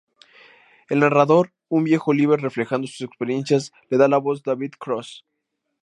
El narrador, un viejo Oliver reflejando sus experiencias, le da la voz David Cross.